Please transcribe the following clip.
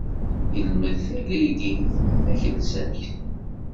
Yelmed tagrigit takelsakt.